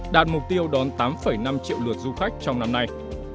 đạt mục tiêu đón tám năm triệu lượt du khách trong năm nay